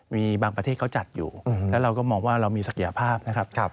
มีบางประเทศเขาจัดอยู่แล้วเราก็มองว่าเรามีศักยภาพนะครับ